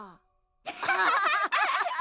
アハハハッ！